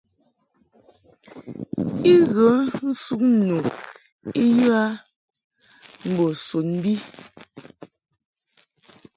I ghə nsuŋ nu I yə a mbo sun bi.